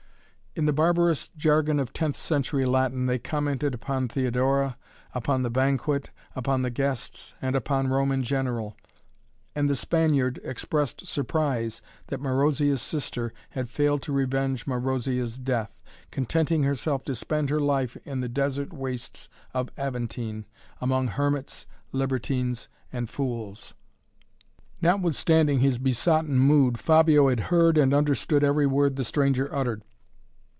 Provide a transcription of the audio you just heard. In the barbarous jargon of tenth century Latin they commented upon Theodora, upon the banquet, upon the guests and upon Rome in general, and the Spaniard expressed surprise that Marozia's sister had failed to revenge Marozia's death, contenting herself to spend her life in the desert wastes of Aventine, among hermits, libertines and fools. Notwithstanding his besotten mood Fabio had heard and understood every word the stranger uttered.